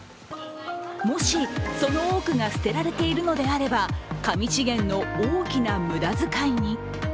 もし、その多くが捨てられているのであれば紙資源の大きな無駄遣いに。